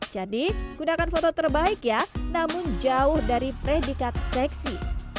jadi gunakan foto terbaik ya namun jauh dari predikat seksi